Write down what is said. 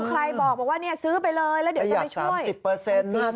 ใครบอกว่าเนี่ยซื้อไปเลยแล้วเดี๋ยวจะไปช่วย๑๐